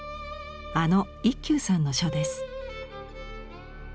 あの一休さんの書です。